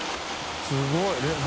すごい！何？